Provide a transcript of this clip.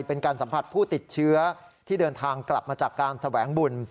เป็นการสัมผัสผู้ติดเชื้อที่เดินทางกลับมาจากการแสวงบุญ